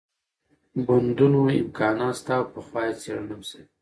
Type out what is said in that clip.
بندونو امكانات شته او پخوا يې څېړنه هم شوې